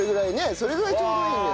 それぐらいがちょうどいいのよ。